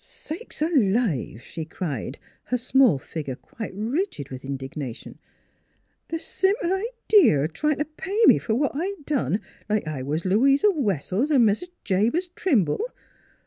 " Sakes alive !" she cried, her small figure quite rigid with indignation. " Th' simple idee o' tryin' t' pay me f'r what I done, like I was Louisa Wessells er Mis' Jabez Trimble